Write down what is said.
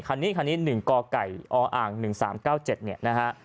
คันนี้คันนี้นึงกไกยออ่าง๑๓๙๗นะฮะ